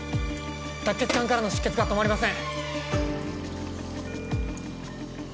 脱血管からの出血が止まりません